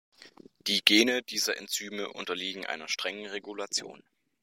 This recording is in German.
Die Gene dieser Enzyme unterliegen einer strengen Regulation.